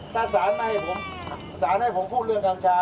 ถ้าสารไม่ให้ผมสารให้ผมพูดเรื่องกัญชา